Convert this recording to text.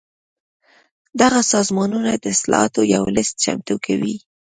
دغه سازمانونه د اصلاحاتو یو لېست چمتو کوي.